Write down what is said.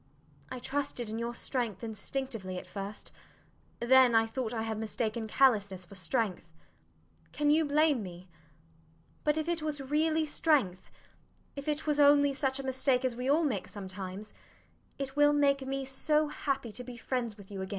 I trusted in your strength instinctively at first; then I thought I had mistaken callousness for strength. Can you blame me? But if it was really strength if it was only such a mistake as we all make sometimes it will make me so happy to be friends with you again.